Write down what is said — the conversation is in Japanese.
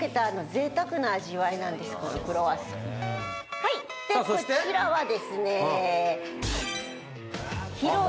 はいでこちらはですね。